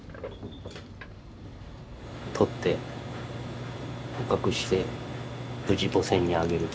獲って捕獲して無事母船にあげる。